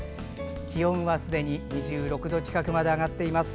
気温はすでに２６度近くまで上がっています。